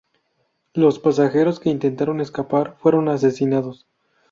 Los pasajeros que intentaron escapar fueron asesinados.